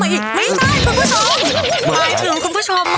อะไรถึงคุณผู้ชม